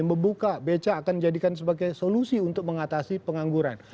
membuka beca akan dijadikan sebagai solusi untuk mengatasi pengangguran